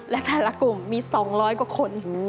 และแต่ละกลุ่มมี๒๐๐กว่าคน